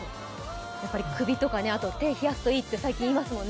首とか手を冷やすといいって最近いいますからね。